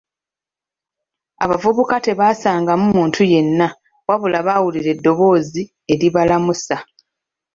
Abavubuka tebaasangamu muntu yenna, wabula baawulira eddoboozi eribalamusa.